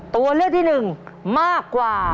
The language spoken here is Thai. ตัวเลือดที่๑มากกว่า